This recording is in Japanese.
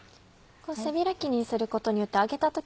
背開きにすることによって揚げた時。